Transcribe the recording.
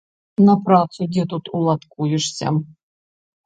На працу, дзе тут уладкуешся.